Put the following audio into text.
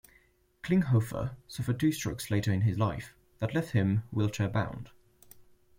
Klinghoffer suffered two strokes later in his life that left him wheelchair-bound.